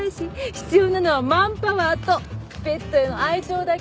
必要なのはマンパワーとペットへの愛情だけ。